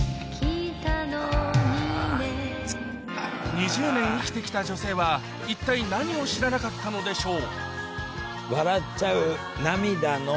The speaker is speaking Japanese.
２０年生きてきた女性は一体何を知らなかったのでしょう？